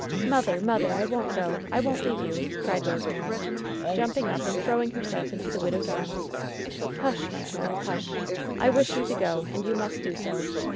"Mother ! Mother f I won't go 1 I won't leave you I" cried Rosemary, jumping up and throwing herself into the widow's arms. "Hush, my child, hush ! I wish you to go, and you must do so.